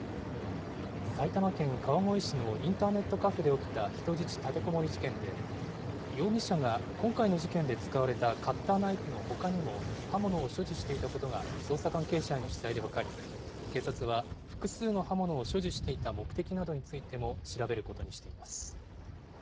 埼玉県川越市のインターネットカフェで起きた人質立てこもり事件で、容疑者が今回の事件で使われたカッターナイフのほかにも、刃物を所持していたことが、捜査関係者への取材で分かり、警察は、複数の刃物を所持していた目的などについても調べることにしています。